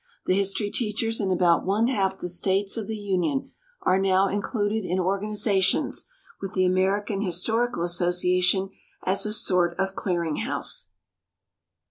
The history teachers in about one half the States of the Union are now included in organizations, with the American Historical Association as a sort of clearing house.